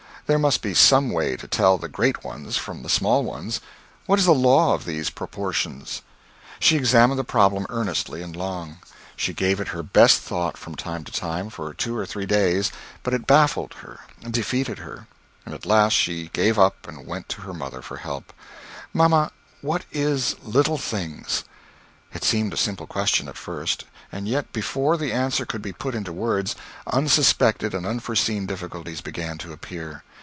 There must be some way to tell the great ones from the small ones; what is the law of these proportions? She examined the problem earnestly and long. She gave it her best thought from time to time, for two or three days but it baffled her defeated her. And at last she gave up and went to her mother for help. "Mamma, what is 'little things'?" It seemed a simple question at first. And yet, before the answer could be put into words, unsuspected and unforeseen difficulties began to appear.